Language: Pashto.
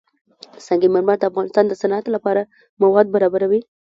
سنگ مرمر د افغانستان د صنعت لپاره مواد برابروي.